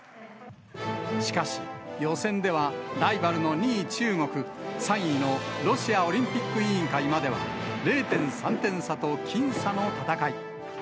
しかし、予選ではライバルの２位中国、３位のロシアオリンピック委員会までは、０．３点差と僅差の戦い。